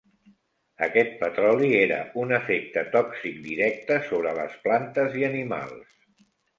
Aquest petroli era un efecte tòxic directe sobre les plantes i animals.